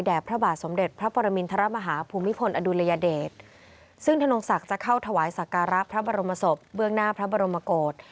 พระบาทสมเด็จพระปรมินทรมาฮาภูมิพลอดุลยเดชซึ่งธนงศักดิ์จะเข้าถวายสักการะพระบรมศพเบื้องหน้าพระบรมโกศ